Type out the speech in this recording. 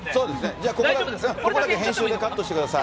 じゃあ、ここだけ編集でカットしてください。